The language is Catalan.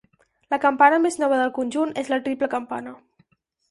La campana més nova del conjunt és la triple campana.